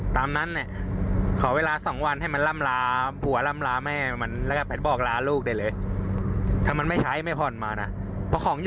ที่ก็ยังไม่เป็นดี้รึเปล่าเนี่ย